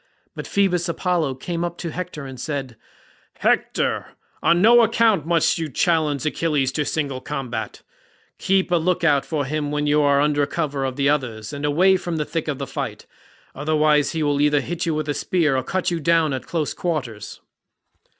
But Phoebus Apollo came up to Hector and said, "Hector, on no account must you challenge Achilles to single combat; keep a look out for him while you are under cover of the others and away from the thick of the fight, otherwise he will either hit you with a spear or cut you down at close quarters."